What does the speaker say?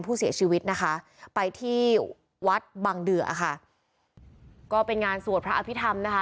ผู้เสียชีวิตนะคะไปที่วัดบังเดือค่ะก็เป็นงานสวดพระอภิษฐรรมนะคะ